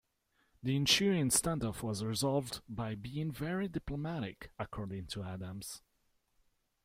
The ensuing standoff was resolved "by being very diplomatic," according to Adams.